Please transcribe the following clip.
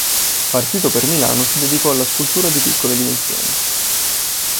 Partito per Milano si dedicò alla scultura di piccole dimensioni.